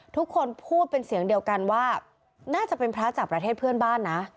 ทุกคนพูดเป็นเสียงเดียวกันว่าน่าจะเป็นพระจากประเทศเพื่อนบ้านนะ